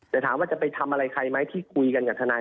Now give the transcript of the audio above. แต่ถามว่าจะไปทำอะไรใครไหมที่คุยกันกับทนาย